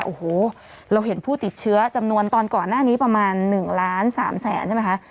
โอ้โหเราเห็นผู้ติดเชื้อจำนวนตอนก่อนหน้านี้ประมาณ๑ล้าน๓แสนใช่ไหมคะ